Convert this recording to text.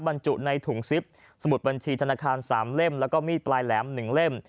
บรรจุในถุงซิปสมุดบัญชีธนาคาร๓เล่มแล้วก็มีดปลายแหลม๑เล่ม